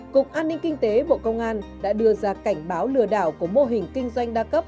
cục an ninh kinh tế bộ công an đã đưa ra cảnh báo lừa đảo của mô hình kinh doanh đa cấp